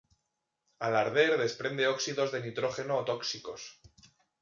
Al arder desprende óxidos de nitrógeno tóxicos.